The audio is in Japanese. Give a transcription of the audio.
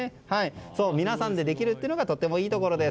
皆さんでできるというのがとてもいいところです。